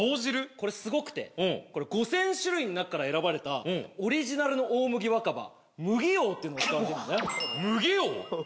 これすごくてこれ５０００種類の中から選ばれたオリジナルの大麦若葉むぎおうっていうのを使ってるのねむぎおう？